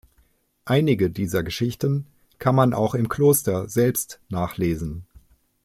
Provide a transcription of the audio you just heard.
Einige dieser Geschichten kann man auch im Kloster selbst nachlesen.